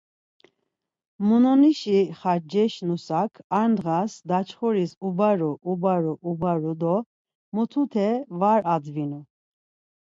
Mununişi Xacceş nusak ar ndğas daçxuris ubaru ubaru ubaru do mutute var advinu.